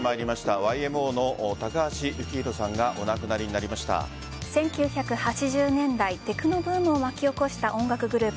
ＹＭＯ高橋幸宏さんが１９８０年代テクノブームを巻き起こした音楽グループ